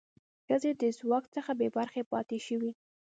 ښځې د ځواک څخه بې برخې پاتې شوې.